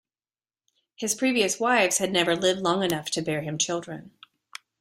His previous wives had never lived long enough to bear him children.